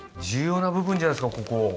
重要な部分じゃないですかここ。